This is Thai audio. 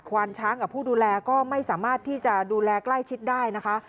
วานช้างกับผู้ดูแลก็ไม่สามารถที่จะดูแลใกล้ชิดได้นะคะ